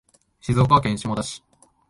静岡県下田市